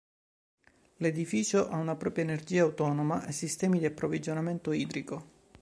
L'edificio ha una propria energia autonoma e sistemi di approvvigionamento idrico.